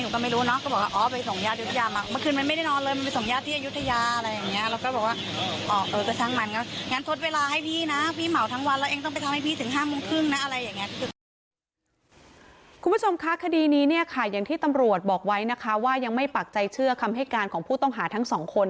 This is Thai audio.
คุณผู้ชมคะคดีนี้เนี่ยค่ะอย่างที่ตำรวจบอกไว้นะคะว่ายังไม่ปักใจเชื่อคำให้การของผู้ต้องหาทั้งสองคน